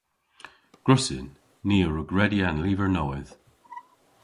Gwrussyn. Ni a wrug redya an lyver nowydh.